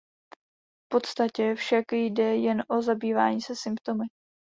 V podstatě však jde jen o zabývání se symptomy.